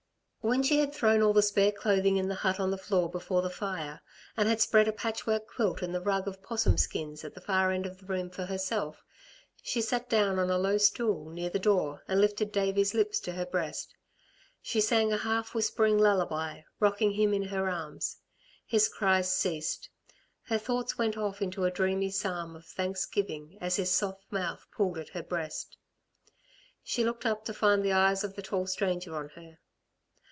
When she had thrown all the spare clothing in the hut on the floor before the fire and had spread a patchwork quilt and the rug of 'possum skins at the far end of the room for herself, she sat down on a low stool near the door and lifted Davey's lips to her breast. She sang a half whispering lullaby, rocking him in her arms. His cries ceased; her thoughts went off into a dreamy psalm of thanksgiving as his soft mouth pulled at her breast. She looked up to find the eyes of the tall stranger on her.